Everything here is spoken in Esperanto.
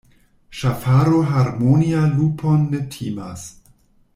Ŝafaro harmonia lupon ne timas.